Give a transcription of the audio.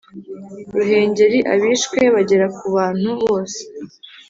Ruhengeri Abishwe bagera ku bantu bose